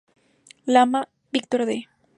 Lama, Víctor de.